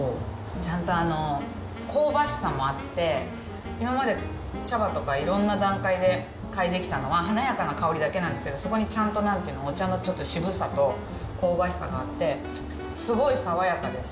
ちゃんと香ばしさもあって、今まで茶葉とか、いろんな段階で嗅いできたのは華やかな香りだけなんですけど、そこにちゃんとお茶のちょっと渋さと香ばしさがあって、すごい爽やかです。